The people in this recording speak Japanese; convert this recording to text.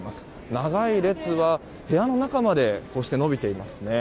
長い列は部屋の仲間でこうして延びていますね。